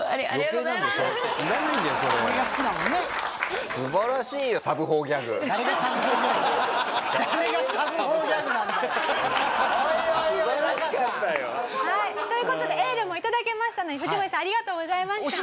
という事でエールも頂けましたので藤森さんありがとうございました。